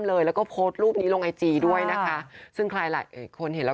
เลยแล้วก็โพสต์รูปนี้ลงไอจีด้วยนะคะซึ่งใครหลายคนเห็นแล้ว